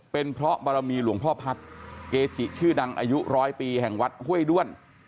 เป็นเพราะบารมีหลวงพ่อพัฒน์เกจิชื่อดังอายุร้อยปีแห่งวัดห้วยด้วน